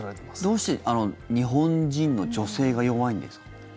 どうして日本人の女性が弱いんですか？